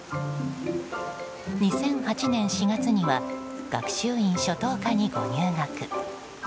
２００８年４月には学習院初等科にご入学。